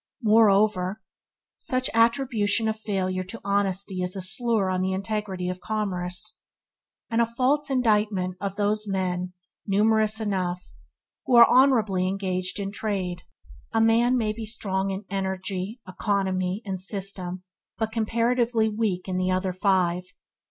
Moreover, such attribution of failure to honesty is a slur on the integrity of commerce; and a false indictment of those men, numerous enough, who are honourably engaged in trade. A man may be strong in Energy, Economy, and System, but comparatively weak in the other five.